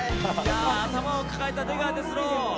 頭を抱えた出川哲朗。